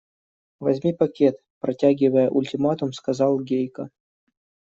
– Возьми пакет, – протягивая ультиматум, сказал Гейка.